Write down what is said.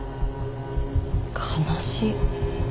悲しい。